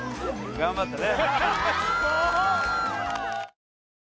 頑張ったね。